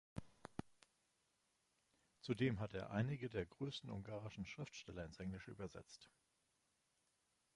Zudem hat er einige der größten ungarischen Schriftsteller ins Englische übersetzt.